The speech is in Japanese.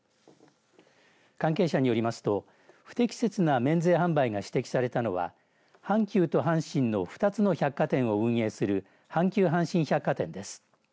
関係者によりますと不適切な免税販売が指摘されたのは阪急と阪神の２つの百貨店を運営する阪急阪神百貨店です。